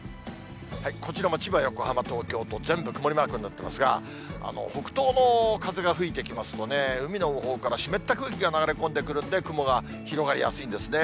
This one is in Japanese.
こちらも千葉、横浜、東京と全部曇りマークになってますが、北東の風が吹いてきますとね、海のほうから湿った空気が流れ込んでくるんで、雲が広がりやすいんですね。